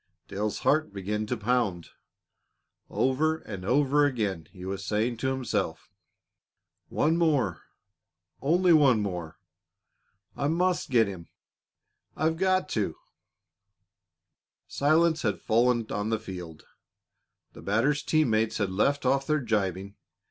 Dale's heart began to pound. Over and over again he was saying to himself: "One more! Only one more! I must get him I've got to!" Silence had fallen on the field. The batter's team mates had left off their gibing.